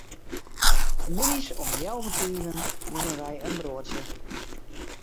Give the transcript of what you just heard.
Middeis om healwei fiven nimme wy in broadsje.